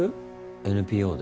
ＮＰＯで？